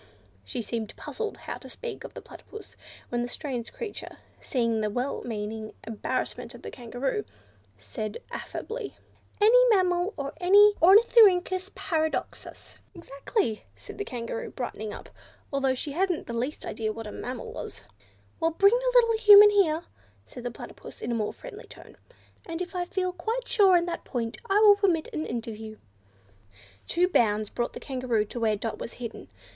She seemed puzzled how to speak of the Platypus, when the strange creature, seeing the well meaning embarrassment of the Kangaroo, said affably, "any mammal or Ornithorhynchus Paradoxus." "Exactly," said the Kangaroo, brightening up, although she hadn't the least idea what a mammal was. "Well, bring the little Human here," said the Platypus in a more friendly tone, "and if I feel quite sure on that point I will permit an interview." Two bounds brought the Kangaroo to where Dot was hidden.